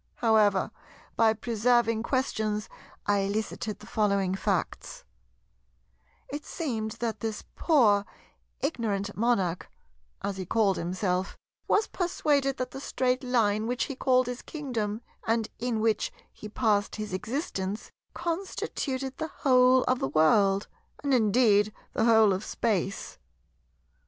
However, by preserving questions I elicited the following facts: It seemed that this poor ignorant Monarch—as he called himself—was persuaded that the Straight Line which he called his Kingdom, and in which he passed his existence, constituted the whole of the world, and indeed the whole of Space.